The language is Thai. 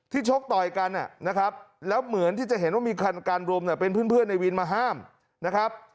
ชกต่อยกันนะครับแล้วเหมือนที่จะเห็นว่ามีคันการรวมเป็นเพื่อนในวินมาห้ามนะครับ